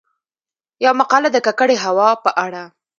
يومـقاله د کـکړې هـوا په اړه :